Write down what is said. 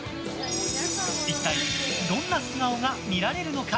一体どんな素顔が見られるのか。